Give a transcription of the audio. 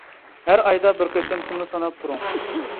ھەر ئايدا بىر قېتىم پۇلنى ساناپ تۇرۇڭ.